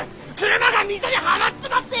車が溝にはまっつまって！